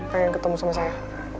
pengen ketemu sama saya